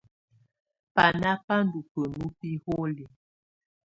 Banà bà ndù bǝnu biholiǝ.